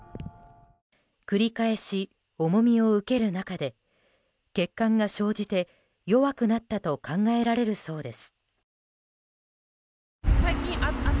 繰り返し重みを受ける中で欠陥が生じて弱くなったと考えられるそうです。